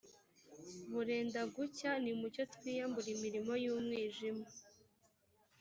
burenda gucya, nimucyo twiyambure imirimo y’umwijima